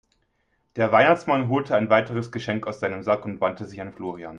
Der Weihnachtsmann holte ein weiteres Geschenk aus seinem Sack und wandte sich an Florian.